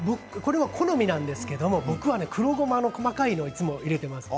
好みなんですけれども僕は、黒ごまの細かいのをいつも入れています。